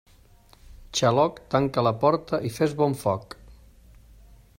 Xaloc, tanca la porta i fes bon foc.